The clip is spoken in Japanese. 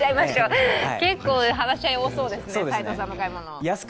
結構、話し合い多そうですね、齋藤さんの買い物。